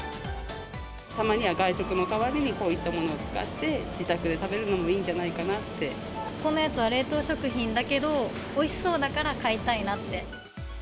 たまには外食の代わりにこういったものを使って自宅で食べるここのやつは冷凍食品だけど、おいしそうだから買いたいなって。